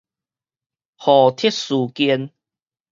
互斥事件